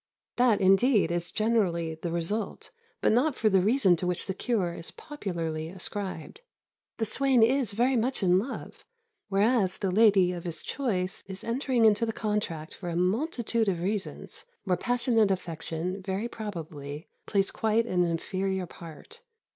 That, indeed, is generally the result, but not for the reason to which the cure is popularly ascribed. The swain is very much in love, whereas the lady of his choice is entering into the contract for a multitude of reasons, where passionate affection, very probably, plays quite an inferior part.